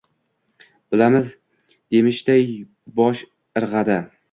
Bilamiz demishday, bosh irg‘adi.